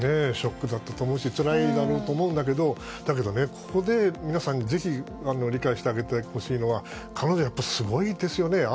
ショックだったと思うしつらいだろうと思うんだけどだけどね、ここで皆さんぜひ理解してあげてほしいのは彼女はやっぱりすごいですよね。